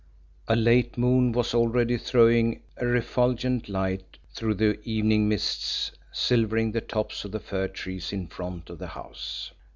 A late moon was already throwing a refulgent light through the evening mists, silvering the tops of the fir trees in front of the house.